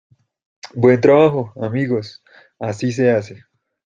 Buen trabajo, amigos. Así se hace .